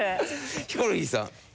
ヒコロヒーさん。